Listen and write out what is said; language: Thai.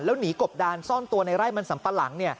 แล้วหนีกบดานซ่อนตัวในไร่มันสัมปะหลัง